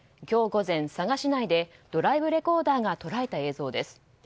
今日午前、佐賀市内でドライブレコーダーが捉えた映像です。